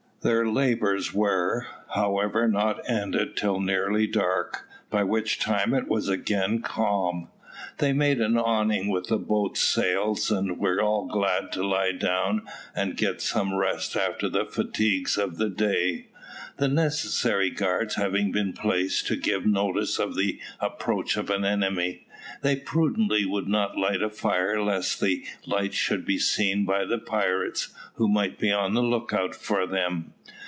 Their labours were, however, not ended till nearly dark, by which time it was again calm. They made an awning with the boats' sails, and were all glad to lie down and get some rest after the fatigues of the day, the necessary guards having been placed to give notice of the approach of an enemy. They prudently would not light a fire lest the light should be seen by the pirates, who might be on the lookout for them.